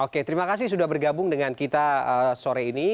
oke terima kasih sudah bergabung dengan kita sore ini